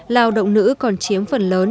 lao động nữ còn chiếm phần lớn